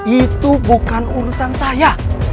itu bukan urusan saya